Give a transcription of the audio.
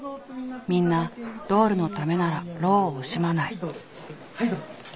みんなドールのためなら労を惜しまない。